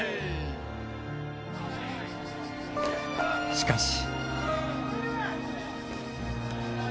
しかし。